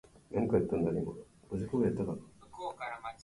明治末期の風流文学史になるところが、あちらこちらに残っておりました